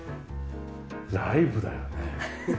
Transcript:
ライブだよね。